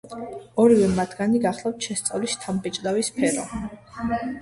ორივე მათგანი გახლავთ შესწავლის შთამბეჭდავი სფერო.